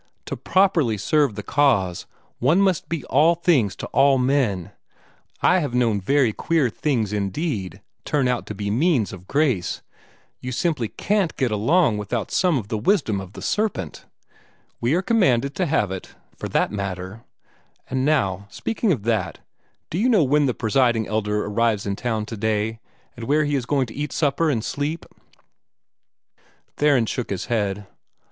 To properly serve the cause, one must be all things to all men. I have known very queer things indeed turn out to be means of grace. You simply CAN'T get along without some of the wisdom of the serpent. We are commanded to have it, for that matter. And now, speaking of that, do you know when the Presiding Elder arrives in town today, and where he is going to eat supper and sleep?" Theron shook his head.